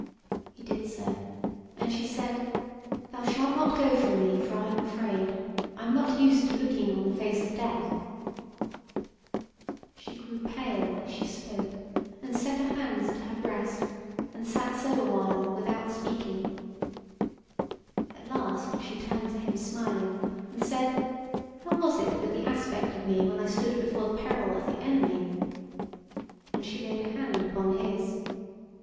He did so, and she said: "Thou shalt not go from me; for I am afraid: I am not used to looking on the face of death." She grew pale as she spoke, and set a hand to her breast, and sat so a while without speaking. At last she turned to him smiling, and said: "How was it with the aspect of me when I stood before the peril of the Enemy?" And she laid a hand upon his.